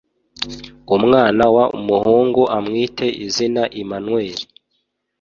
umwana w umuhungu amwite izina imanweli